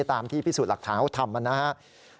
ตามพิสูจน์หลักฐาเขาทำกันนะครับ